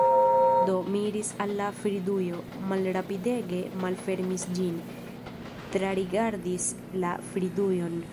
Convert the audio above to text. Do mi iris al la fridujo, malrapidege malfermis ĝin, trarigardis la fridujon...